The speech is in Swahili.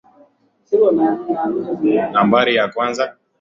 Nambari ya kwanza.